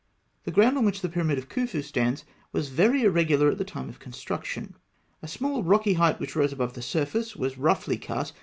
The ground on which the pyramid of Khûfû stands was very irregular at the time of construction. A small rocky height which rose above the surface was roughly cut (fig.